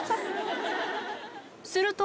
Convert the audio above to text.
すると。